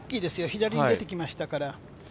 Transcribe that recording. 左に出てきましたから。